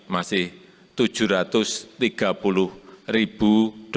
masih rp tujuh ratus tiga puluh ribu